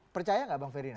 percaya nggak bang ferdinand